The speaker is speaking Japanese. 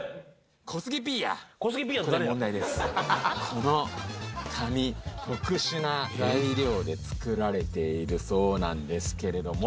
この紙特殊な材料で作られているそうなんですけれども。